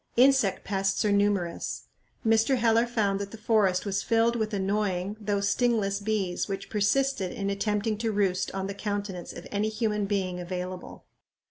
Insect pests are numerous. Mr. Heller found that "the forest was filled with annoying, though sting less, bees which persisted in attempting to roost on the countenance of any human being available."